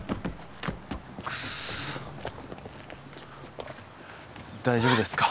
クッソ大丈夫ですか？